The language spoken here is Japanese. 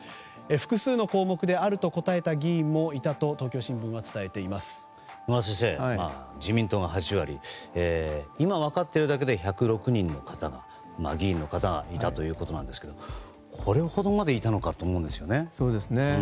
複数の項目であると答えた議員もいると野村先生、自民党が８割と今わかっているだけで１０６人の議員の方がいたということですがこれほどまでいたのかということです。